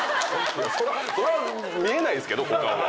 そら見えないですけど股間は。